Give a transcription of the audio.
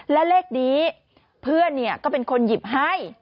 และเลขนี้เพื่อนก็เป็นคนหยิบให้